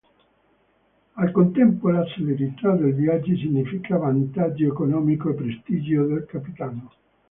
Al contempo, la celerità dei viaggi significa vantaggio economico e prestigio del capitano.